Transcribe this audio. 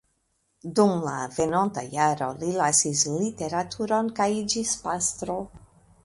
Dum la venonta jaro li lasis literaturon kaj iĝis pastro.